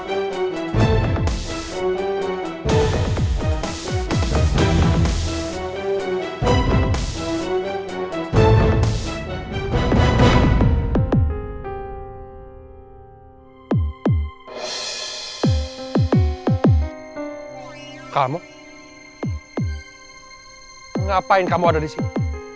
kamu ngapain kamu ada di sini